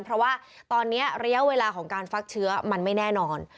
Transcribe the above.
เพราะว่าตอนนี้ระยะเวลาของการฟักเชื้อมันไม่แน่นอน